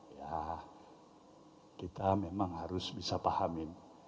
ya kita memang harus bisa pahamin